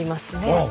ああ。